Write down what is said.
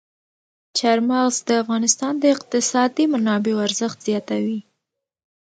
چار مغز د افغانستان د اقتصادي منابعو ارزښت زیاتوي.